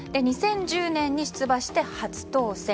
２０１０年に出馬して初当選。